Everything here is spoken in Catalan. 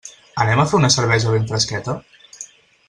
Anem a fer una cervesa ben fresqueta?